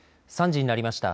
３時になりました。